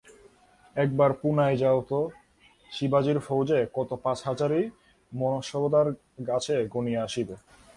একবার পুনায় যাও তো, শিবাজীর ফৌজে কত পাঁচ-হাজারী মনসবদার আছে গনিয়া আসিবে!